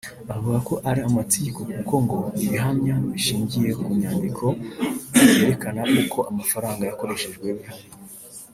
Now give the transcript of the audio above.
avuga ko ari amatiku kuko ngo ibihamya bishingiye ku nyandiko byerekana uko amafaranga yakoreshejwe bihari